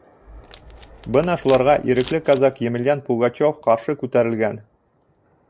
Бына шуларға ирекле казак Емельян Пугачёв ҡаршы күтәрелгән.